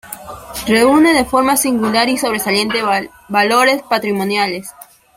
Reúne de forma singular y sobresaliente valores patrimoniales.